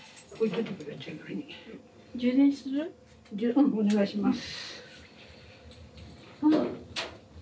うんお願いします。